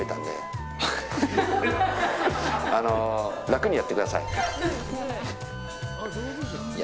楽にやってください。